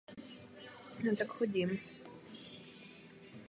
Manželství však zůstalo bezdětné.